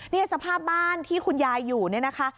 สภาพบ้านที่คุณยายอยู่เนี่ยนะคะ